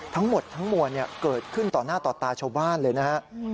ทั้งหมดทั้งมวลเกิดขึ้นต่อหน้าต่อตาชาวบ้านเลยนะฮะ